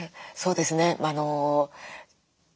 そうですね。